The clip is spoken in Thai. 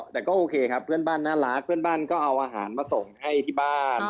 แต่ก็โอเคครับเพื่อนบ้านน่ารักเพื่อนบ้านก็เอาอาหารมาส่งให้ที่บ้าน